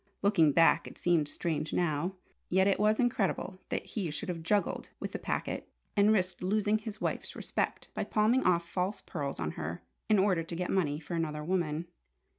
Looking back, it seemed strange now. Yet it was incredible that he should have juggled with the packet, and risked losing his wife's respect by palming off false pearls on her, in order to get money for another woman.